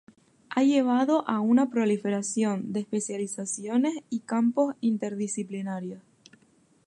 Ha llevado a una proliferación de especializaciones y campos interdisciplinarios.